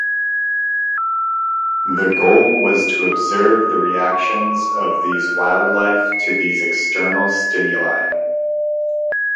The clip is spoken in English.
The goal was to observe the reactions of these wildlife to these external stimuli.